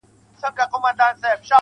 دا څه معلومه ده ملگرو که سبا مړ سوم~